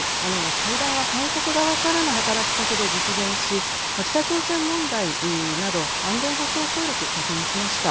会談は韓国側からの働きかけで実現し北朝鮮問題など安全保障協力、確認しました。